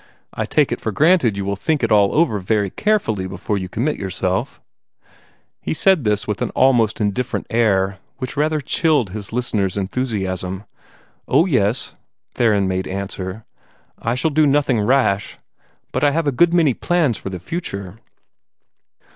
I take it for granted you will think it all over very carefully before you commit yourself." He said this with an almost indifferent air, which rather chilled his listener's enthusiasm. "Oh, yes,", Theron made answer; "I shall do nothing rash. But I have a good many plans for the future."